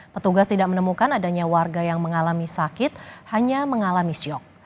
petugas tidak menemukan adanya warga yang mengalami sakit hanya mengalami syok